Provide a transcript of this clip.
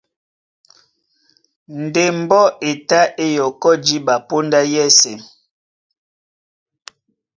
Ndé mbɔ́ e tá é yɔkɔ́ jǐɓa póndá yɛ́sɛ̄.